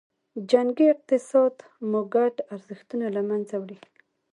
جنګي اقتصاد مو ګډ ارزښتونه له منځه وړي دي.